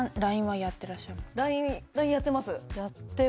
ＬＩＮＥはやってらっしゃいます？